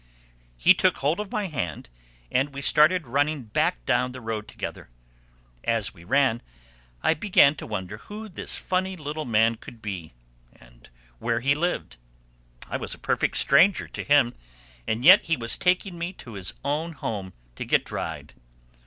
He took hold of my hand and we started running back down the road together. As we ran I began to wonder who this funny little man could be, and where he lived. I was a perfect stranger to him, and yet he was taking me to his own home to get dried.